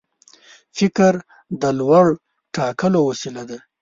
فکر د لور ټاکلو وسیله ده.